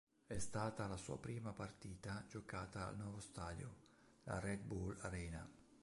È stata la sua prima partita giocata al nuovo stadio, la Red Bull Arena.